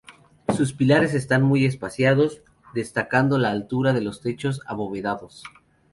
Sus pilares están muy espaciados, destacando la altura de los techos abovedados.